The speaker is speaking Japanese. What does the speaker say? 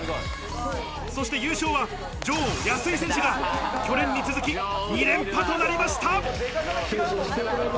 そして優勝は女王・安井選手が去年に続き２連覇となりました。